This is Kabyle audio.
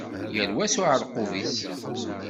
Yal wa s uεerqub-is.